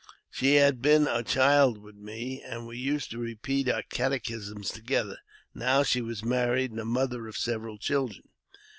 She had been a child with me, and we used to repeat our catechism together ; now she was married, and the mother of several children.